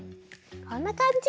こんなかんじ。